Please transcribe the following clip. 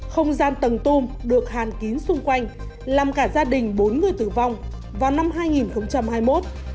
không gian tầng tung được hàn kín xung quanh làm cả gia đình bốn người tử vong vào năm hai nghìn hai mươi một